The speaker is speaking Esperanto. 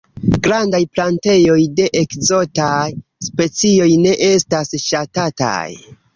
Grandaj plantejoj de ekzotaj specioj ne estas ŝatataj.